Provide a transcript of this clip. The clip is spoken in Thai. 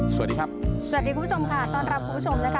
สวัสดีครับสวัสดีคุณผู้ชมค่ะต้อนรับคุณผู้ชมนะคะ